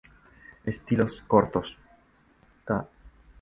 Estilos cortos, ca.